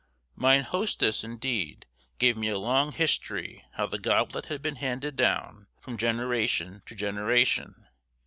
Mine hostess, indeed, gave me a long history how the goblet had been handed down from generation to generation.